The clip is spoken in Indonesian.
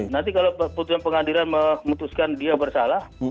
nanti kalau putusan pengadilan memutuskan dia bersalah